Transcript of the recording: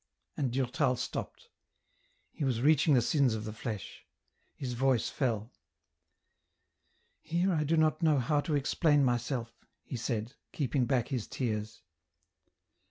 And Durtal stopped. He was reaching the sins of the flesh. His voice fell. " Here I do not know how to explain myself," he said, keeping back his tears.